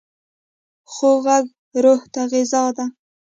خوږ غږ روح ته غذا ده.